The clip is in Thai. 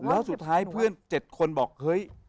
แล้วสุดท้ายเพื่อน๗คนบอกเฮ้ย